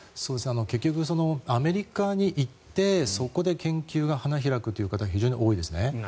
結局、アメリカに行ってそこで研究が花開くという方が非常に多いですね。